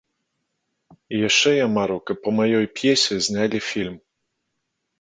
І яшчэ я мару, каб па маёй п'есе знялі фільм.